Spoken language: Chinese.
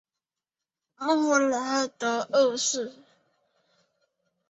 穆拉德二世。